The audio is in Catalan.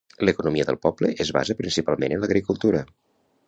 L'economia del poble es basa principalment en l'agricultura.